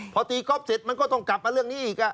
พอตีก๊อฟเสร็จมันก็ต้องกลับมาเรื่องนี้อีก